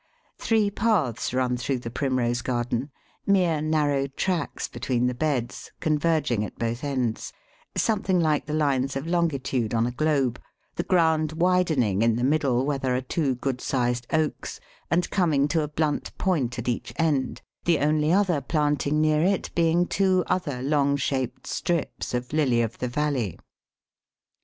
Three paths run through the Primrose garden, mere narrow tracks between the beds, converging at both ends, something like the lines of longitude on a globe, the ground widening in the middle where there are two good sized Oaks, and coming to a blunt point at each end, the only other planting near it being two other long shaped strips of Lily of the Valley.